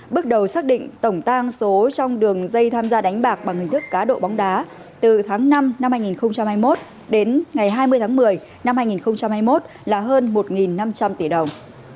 bước đầu xác định tổng tang số trong đường dây tham gia đánh bạc bằng hình thức cá độ bóng đá từ tháng năm năm hai nghìn hai mươi một đến ngày hai mươi tháng một mươi năm hai nghìn hai mươi một là hơn một năm trăm linh tỷ đồng